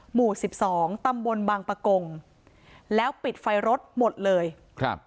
หมู่สิบสองตำบลบางปะกงแล้วปิดไฟรถหมดเลยครับ